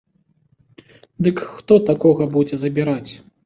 Дык хто такога будзе забіраць.